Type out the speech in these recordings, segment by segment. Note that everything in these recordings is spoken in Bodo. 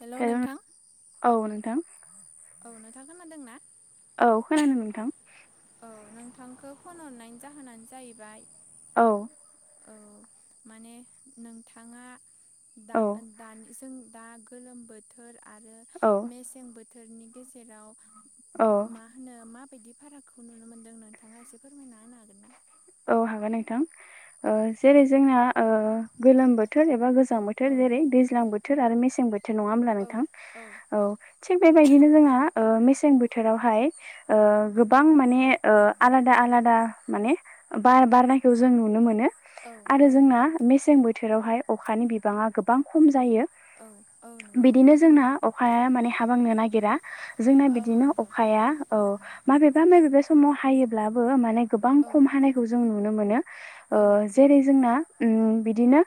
हेलौ हेल' नोंथां [unintelligible] औ नोंथां औ नोंथां खोनादों ना? औ खोनादों नोंथां? औ नोंथांखौ फन हरनायनि जाहोनानो जाहैबाय औ औ माने नोंथाङा दा दानि जोंनि दा गोलोम बोथोर आरो औ मेसें बोथोरनि गेजेराव औ मा होनो माबायदि फारागखौ नुनो मोनदों नोंथाङा एसे फोरमायना होनो हागोन ना [inaudible] औ हागोन नोंथां औ जेरै जोंना गोलोम बोथोर एबा गोजां बोथोर औ जेरै दैज्लां बोथोर बोथोर मेसें बोथोर नङा होनब्ला नोंथां औ थिग बेबायदिनो जोङा ओ‌ मेसें बोथोरावहाय ओ गोबां माने आलादा आलादा माने बार बारनायखौ जों नुनो मोनो औ आरो औ जोंना नंगौ मेसें बोथोरावहाय अखानि बिबाङा गोबां खम जायो औ औ नंगौ बिदिनो जोंना अखाया माने हाबांनो नागिरा जोंना औ बिदिनो नंगौ अखाया औ माबेबा माबेबा समाव हायोब्लाबो माने गोबां औ खम हानायखौ जों नुनो मोनो ओ औ नंगौ जेरै जोंना बिदिनो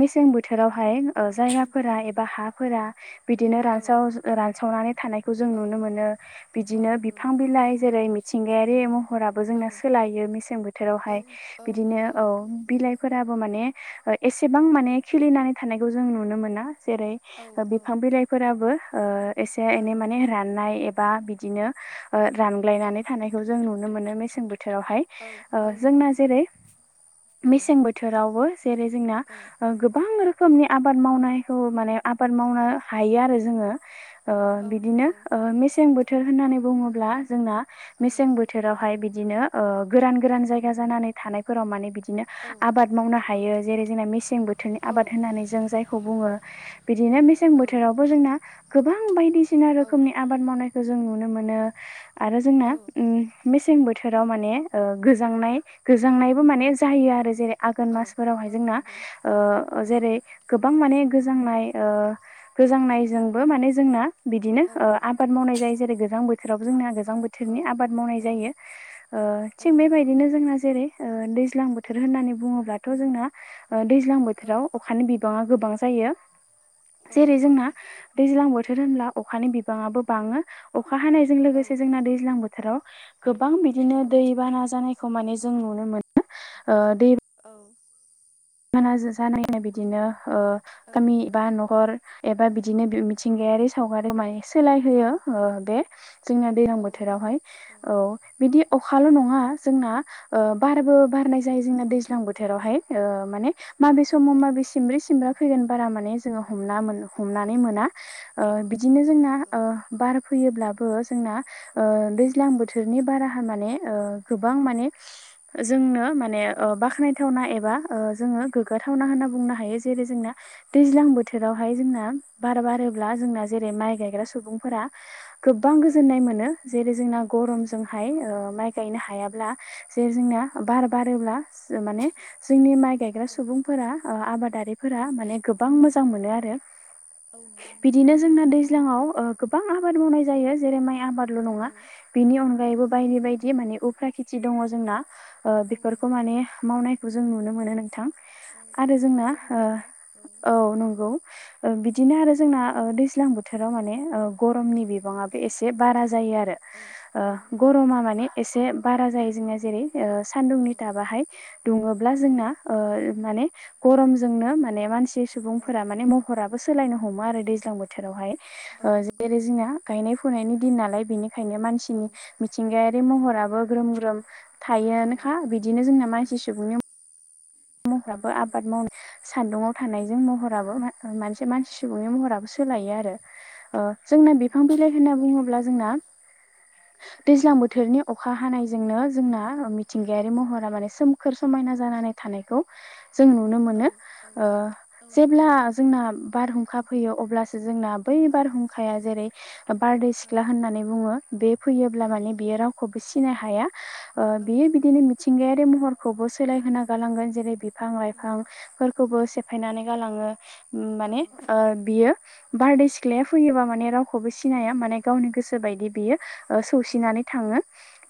मेसें बोथोरावहाय जायगाफोरा एबा हाफोरा बिदिनो औ रानसाव रानसावनानै थानायखौ जों औ नुनो मोनो औ बिदिनो नंगौ बिफां बिलाइ जेरै मिथिंगायारि महराबो औ जोंना सोलायो मेसें औ बोथोरावहाय औ बिदिनो नंगौ औ बिलाइ फोराबो माने एसेबां माने खिलिनानै थानायखौ जों नुनो मोना। जेरै औ औ बिफां बिलाइफोराबो एसे औ एनै माने राननाय एबा बिदिनो औ रानग्लायनानै थानायखौ जों नुनो मो नो मेसें बोथावहाय औ ओ औ नंगौ जोंना नोंथां जेरै औ मेसें बोथोरावबो जेरै जोंना औ गोबां रो खोमनि आबाद मावनायखौ माने आबाद मावनो हायो आरो जोङो ओ औ बिदिनो नंगौ मेसें बोथोर होननानै बुङोब्ला जोंना औ मेसें बोथोरावहाय बि दिनो गोरान गोरान जायगा जानानै थानायफोराव माने बिदि नो औ आबाद मावनो औ हायो जेरै जोंना मेसें बोथोरनि औ आबाद होननानै जों जायखौ बुङो बिदिनो मेसें बोथोरावबो जोंना गोबां बायदिसिना औ रोखोमनि आबाद मावनाय खौ जों नुनो मोनो आरो जोंना उम मेसें बोथोराव माने ओ गोजांनाय गोजांनायबो माने जायो आरो जेरै आघोन औ मासफोरावहाय औ जोंना नंगौ ओ औ जेरै गोबां माने गोजांनाय ओ गोजांनायजोंबो माने जोंना बिदिनो औ आबाद मावनाय जायो जेरै गोजां बोथोराव जोंना गोजां औ बोथोरनि आबाद मावनाय औ जायो ओ औ थिग नंगौ बेबायदिनो जोंना जेरै ओ दैज्लां बोथोर होननानै बुङोब्लाथ' जोंना ओ दैज्लां औ बोथोराव औ अखानि बिबाङा गोबां जायो जेरै औ जोंना दैज्लां बोथोर होनब्ला अखानि बिबाङाबो बाङो अखा हानायजों औ नंगौ औ लोगोसे जोंना दैज्लां बो थोराव गोबां बिदिनो दै बाना जानायखौ माने जों नुनो मोनो। औ [inaudible] [unintelligible] जानायनाय बिदिनो गामि औ एबा न'खर एबा बिदिनो मिथिंगायारि सावगारि माने सोलायहोयो औ ओ बे जोंना दैलां औ नंगौ बोथोरावहाय औ बिदि औ अखाल' नङा जोंना ओ बारबो बारनाय जायो जोंना दैज्लां बोथोरावहाय ओ माने माबे समाव माबे सिमब्रै सिमब्रा फैगोन बारा माने जोङो हमना मोनो। औ औ हमनानै मोना बिदिनो औ जोंना नंगौ बार फैयोब्लाबो जोंना औ दैज्लां बोथोरनि बारा माने गोबां माने जोंनो माने औ बाख्नायथावना एबा ओ जोङो गोग्गाथावना होनना बुंनो हायो। जेरै जोंना दैज्लां बोथोरावहाय जोंना बार बारोब्ला जोंना जेरै माइ गायग्रा सुबुंफोरा [inaudible] गोबां गोजोननाय मोनो जेरै जोंना गरमजोंहाय माइ गायनो हायाब्ला जेर जोंना बार बारोब्ला जो माने जोंनि माइ गायग्रा सुबुंफोरा ओ औ आबादारिफोरा माने गोबां मोजां मोनो आरो औ नंगौ नोंथां बिदिनो जोंना दैज्लाङाव ओ गोबां आबाद मावनाय जायो जेरै माइ आबाद ल' नङा औ बिनि औ अनगायैबो बायदि बायदि माने उफ्रा खेथि दङ जोंना ओ औ बेफोरखौ नंगौ माने मावनायखौ जों नुनो मोनो नोंथां। औ आरो जोंहा हा जोंना ओ बोरिफोराव औ नंगौ ओ बि दिनो आरो जोंना दैज्लां बोथोराव माने औ गरमनि बिबाङाबो एसे बारा जायो आरो औ गरमा माने एसे बारा जायो जोंना जेरै ओ औ सान्दुंनि गाबाहाय दुङोब्ला औ जोंना माने गरमजोंनो माने मानसि औ सुबुंफोरा माने महरा बो सोलायनो हमो आरो दैज्लां बोथोरावहाय औ ओ नंगौ जेरै नोंथां जोंनिया गायनाय फुनायनि दिन नालाय बेखायनो औ मानसिनि मिथिंगायारि महराबो ग्रोम ग्रोम औ थायोआानोखा बिदिनो जोंना मानसि सुबुंनि महराबो औ आबाद मावनाय सान्दुंवाव थानायजों महराबो औ मोनसे मानसि सुबुंनि महराबो औ सोलायो आरो। ओ जोंना बिफां बिलाइ होनना औ बुङोब्ला नंगौ जोंना दैज्लां औ बोथोरनि अखा हानायजोंनो जोंना मिथिंगायारि महरा माने सोमखोर समायना जानानै थानायखौ जों नुनो औ मोनो। औ ओ औ नंगौ जेब्ला नोंथां जोंना बारहुंखा फैयो अब्लासो जोंना बै औ बारहुंखाया जेरै बारदै औ सिख्ला होननानै बुङो बे औ फैयोब्ला माने बियो रावखौबो सिनाय हाया ओ बियो औ बिदिनो मिथिंगायारि महरखौबो सोलाय होनां गालांगोन जेरै बिफां लाइफांफोरखौबो सेफायनानै गालाङो माने ओ बियो बारदै सिख्लाया फैयोबा माने रावखौबो सिनाया माने गावनि गोसो बायदि बियो ओ सौसिनानै थाङो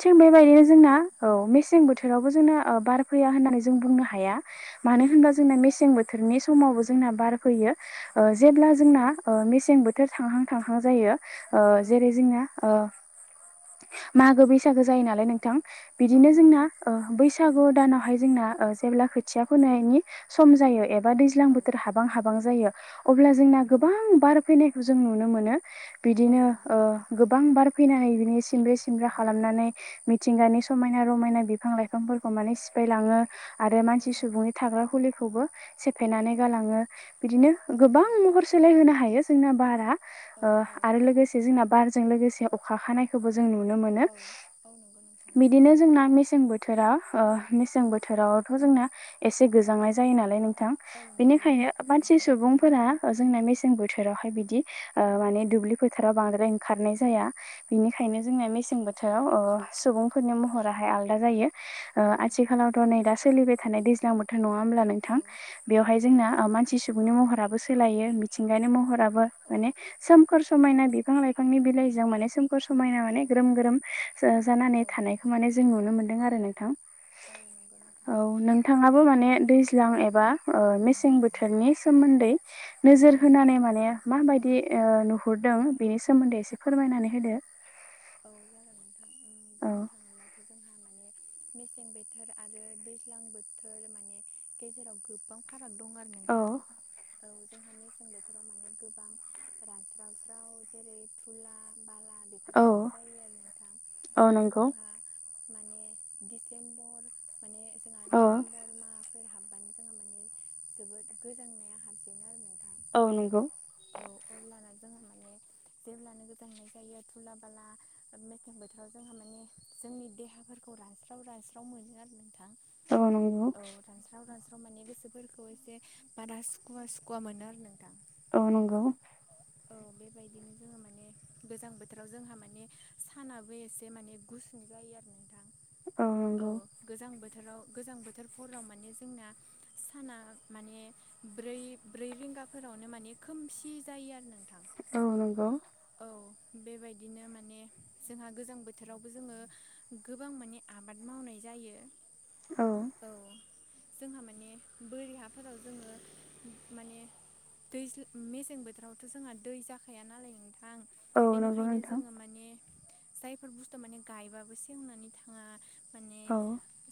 थिग नंगौ बेबायदिनो नोंथां जोंना औ मेसें बोथोरावबो जोंना ओ बार फैया होननानै जों बुंनो हाया औ मानो औ नंगौ होनबा जोंना नोंथां मेसें बोथोरनि समावबो जोंना बार फैयो ओ जेब्ला औ जोंना ओ मेसें बोथोर थांहां थांहां जायो ओ औ जेरै जोंना ओ मागो बैसागो जायो नालाय नोंथां औ बिदिनो जोंना नंगौ ओ बैसागु दानावहाय जोंना ओ जेब्ला खोथिया फोनायनि सम जायो एबा दैज्लां औ बोथोर हाबां हाबां जायो अब्ला जोंना औ नंगौ औ गोबां बार फैनायखौ जों नुनो मोनो बिदिनो औ ओ नंगौ गोबां बार फैनानै बिनि सिमब्रे सिमब्रे औ खालामनानै मिथिंगानि सम समायना रमायना बिफां लाइफांफोरखौ माने सिफायलाङो आरो औ मानसि नंगौ सुबुंनि थाग्रा खुलिखौबो औ सेफायनानै गालाङो बिदिनो गोबां महर सो [unintelligible] हायो जोंना बारा ओ औ आरो औ लोगोसे जोंना बारजों लोगोसे अखा खानायखोबो जो जों नुनो मोनो। औ नंगौ नोंथां बिनो जोंना मेसें बोथ थोरा औ मेसें बोथोरावथ' जोंना एसे गोजांनाय जायो नालाय नों थां नंगौ बेनिखायनो मानसि सुबुं फोरा ओ जोंना मेसें बोथोरावहाय बिदि ओ माने दुब्लि फोथाराव बांद्राय औ ओंखारनाय जाया औ बिनिखायनो जोंना मेसें बोथोराव ओ सुबुंफोरनि महराहाय आलादा जायो। ओ आथिखालावथ' नै दा सोलिबाय थानाय दैज्लां बोथोर नङा होनब्ला औ नोंथां बेवहाय जोंना मानसि सुबुंनि महराबो सोलायो मिथिंगानि महराबो औ माने सोमखोर समायना बिफां लाइफांनि बिलाइजों माने सो समायना माने औ ग्रोम ग्रोम जानानै थानायखौ माने जों नुनो मोन्दों आरो नोंथां औ नंगौ नोंथां औ नोंथाङाबो माने दैज्लां औ एबा औ मेसें बोथोरनि सोमोन्दै नो औ नोजोर होनानै माने माबायदि नुहुरदों बेनि सोमोन्दै एसे फोरमायनानै होदो। औ जागोन नोंथां ओम औ बुंनो थाङोब्लाथ' जोंहा माने मेसें बोथोर आरो दैज्लां बोथोर माने गेजेराव गोबां फा राग दं आरो औ नोंथां औ जों मेसें बोथोराव माने गोबां रानस्रावस्राव जेरै थुला बाला बे औ जायो आरो नोंथां औ जोंहा माने डिसेम्बर माने जोंहा औ नबेमबर माफोर हाबबानो जोंहा माने जोबोद गोजांनाया हाबजेनो आरो औ नंगौ औ अब्लाना जों माने जेब्लानो गोजांनाय जायो तुला ला मेसें बोथोराव जोंहा माने जोंनि देहाफोरखौ रानस्राव रानस्राव मोनो आरो ना थां औ नंगौ औ रानस्राव रानस्र माने गोसोफोरखौ एसे बारा सुखुवा सुखुवा मोनो आरो नोंथां औ नंगौ औ बेबायदिनो जोङो माने गोजां बोथोराव जोंहा माने सानाबो एसे माने गुसुं जायो आरो नोंथां औ गोजां बोथो राव गोजां बोथोर भराव माने जोंना साना माने ब्रै ब्रै रिं गाफोरावनो माने खोमसि जायो आरो ना औ नंगौ औ बेबायदि नो माने जोंहा गोजां बोथोरावबो जोङो गोबां माने आबाद मावनाय जायो औ जोंहा माने बोरि हाफोराव जोङो माने दैज्ल मेसें बोथोरावथ' जोंहा दै जाखाया नालाय नोंथां औ बेनिखायनो नंगौ नोंथां जोङो माने जायफोर बुस्थु माने गायबाबो सेवनानै थाङा माने औ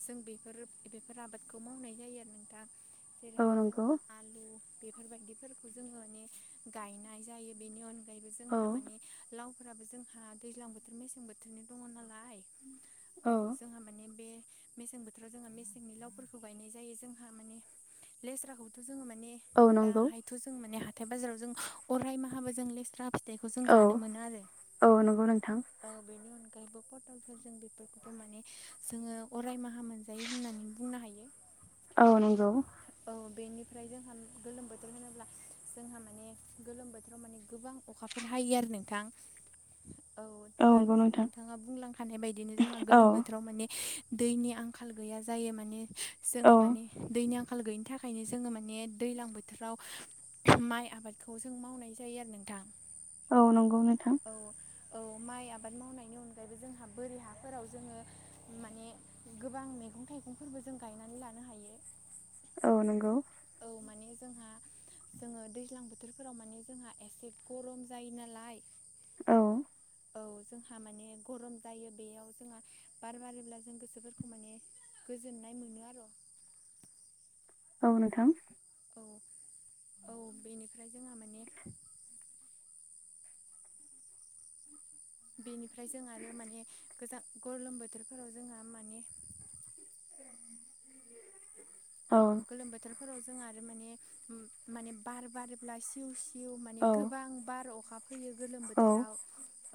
जों बेफोर बेफोर आबादखौ मावनाय जायो आरो नोंथां औ जेरैहाय नंगौ जोंहा आलु बेफोरबायदिफोरखौ जोङो माने गायनाय जायो बेनि अनगायैबो औ जोंहा माने लाव फोराबो जोंहा दैज्लां बोथोर मेसें बोथोरनि दङ नालाय औ जोंहा माने बे मेसें बोथोराव जोंहा मेसेंनि लावफोरखौ गायनाय जायो जोंहा माने लेस्राखौ जों माने औ नंगौ दाहायथ' जों माने हाथाय बाजाराव जों अराय माहाबो जों लेस्रा फिथाइखौ जों औ जानो मोनो आरो औ नंगौ नोंथां औ बेनि अनगायैबो फटलफोर जों बेफोरखौबो माने जोङो अरायमाहा मोनजायो होननानै बुंनो हायो औ नंगौ औ बेनिफ्राय जोंहा गोलोम बोथोर होनोब्ला जोंहा माने गोलोम बोथोराव माने गोबां अखा फोर हायो आरो नोंथां औ नंगौ दानिसो नोंथां नोंथाङा बुंलांखानाय बायदिनो जोंहा औ गोलोम बोथोराव माने दैनि आंखाल गैया जायो माने जोङो औ माने दैनि आं खाल गैयिनि थाखायनो जोङो माने दैलां बोथोराव माइ आबादखौ जों मावनाय जायो आरो नोंथां औ नंगौ नोंथां औ औ माइ आबाद मावनायनि अनगायैबो जोंहा बोरि हाफोराव जोङो माने गोबां मैगं थाइगंफोरबो जों गायनानै लानो हायो औ नंगौ औ माने जोंहा जोङो दैज्लां बोथोरफोराव माने जोंहा एसे गरम जायो नालाय औ औ जोंहा माने गरम जायो बेयाव जोंहा बार बारोब्ला जों गोसोफोरखौ माने गोजोननाय मोनो आरो' औ नोंथां औ औ बेनिफ्राय जोंहा माने बेनिफ्राय जों आरो माने गोजा गलम बोथोरफोराव जोंहा माने औ गोलोम बोथोरफोराव जोंहा आरो माने उम माने बार बारोबब्ला सिउ सिउ हिउ माने औ गोबां बार अखा फैयो गोलोम औ बोथोराव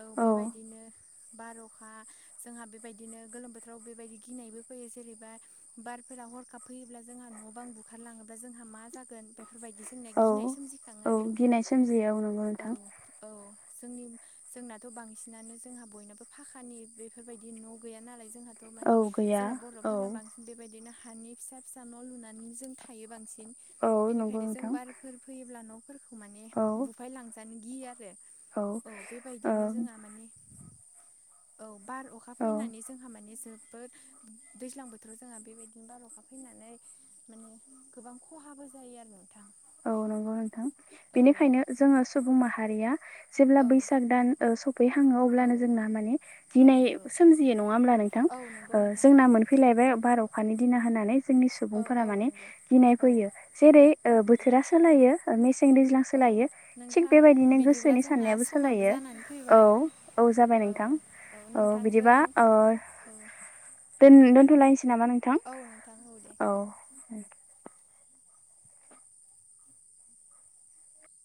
औ बेबायदिनो बार अखा जोंहा बेबायदिनो गोलोम बोथोराव बेबायदि गिनायबो फैयो जेरैबा बार फोरा हरखाब फैयोब्ला जोंहा न' बां बुखारलाङोबा जोंहा मा जागोन बे फोरबायदि जोंना औ गिनाय सोमजिखाङो औ आरो नोंथां गिनाय सोमजियो नंगौ औ नोंथां औ जोंनि जोंनाथ' बांसिनानो जोंहा बयनाबो फाखानि बेफोरबायदि न' गैया नालाय जोंहाथ' औ माने गैया जोंना औ बर'फोरा बांसिन बेबायदिनो हानि फिसा फिसा न' लुनानै जों थायो बांसिन औ नंगौ बेनिखायनो जों नोंथां बारफोर फैयोब्ला न' फोरखौ माने औ बुफायलांजानो गियो आ रो औ बेबायदिनो जोंहा औ माने औ बार अखा औ फैनानै जोंहा माने जोबोद दैज्लां बोथोराव जोंहा बेबायदिनो बार अखा फैनानै माने गोबां खहाबो जायो आरो नों औ नंगौ नोंथां बेनिखायनो जोङो सुबुं माहारिया जेब्ला औ बैसाग दान ओ सो फै हाङो अब्लानो जोंना माने औ गिनाय नंगौ सोमजियो नङा होमब्ला नोंथां औ नंगौ ओ नोंथां जोंना नंगौ मोनफैलाय बाय बार अखानि दिना होनानै जोंनि औ सुबुंफोरा औ माने नंगौ गिनाय औ फैयो जेरै औ ओ बो नंगौ थोरा सोलायो मेसें दैज्लां औ सोलायो थिग नोंथां बेबायदिनो बिदिब्ला गोसोनि जोंना साननायाबो समाबो सोलायो जानानै औ फैबाय औ जाबाय नोंथां औ बिदिबा ओ औ दोन दोनथ'लायनोसै नामा नोंथां औ नोंथां दे औ उम